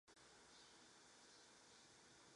褐翅叉尾海燕为海燕科叉尾海燕属下的一个种。